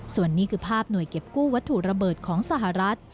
ส่วนนี้คือภาพหน่วยเก็บกู้วัตถุระเบิดของสหรัฐ